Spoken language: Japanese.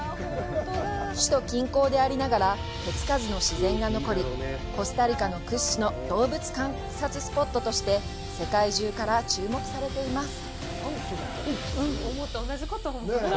首都近郊でありながら手つかずの自然が残りコスタリカ屈指の動物観察スポットとして世界中から注目されています。